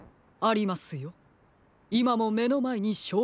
いまもめのまえにしょうこがあります。